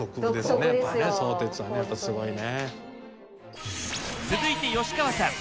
続いて吉川さん。